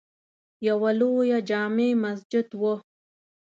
یوه لویه جامع مسجد وه.